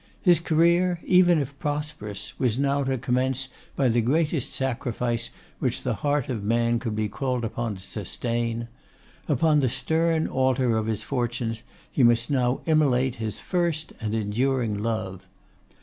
His career, even if prosperous, was now to commence by the greatest sacrifice which the heart of man could be called upon to sustain. Upon the stern altar of his fortunes he must immolate his first and enduring love.